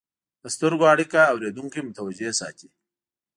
د سترګو اړیکه اورېدونکي متوجه ساتي.